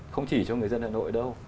không chỉ cho người dân hà nội đâu